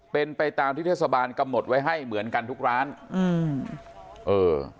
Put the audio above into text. เป็นไปตามที่เทศบาลกำหนดไว้ให้เหมือนกันทุกร้านอืมเออ